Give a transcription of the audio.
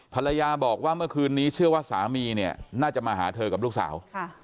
ภรรยาบอกว่าเมื่อคืนนี้เชื่อว่าสามีเนี่ยน่าจะมาหาเธอกับลูกสาว